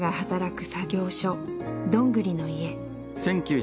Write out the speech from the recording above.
「どんぐりの家」。